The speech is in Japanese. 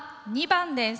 ２番です！